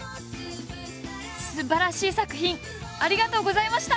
すばらしい作品ありがとうございました！